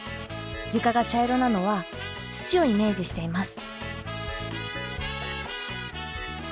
床が茶色なのは土をイメージしています。